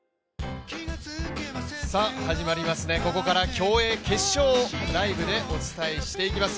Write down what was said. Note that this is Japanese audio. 始まりますね、ここから競泳決勝、ライブでお伝えしていきます。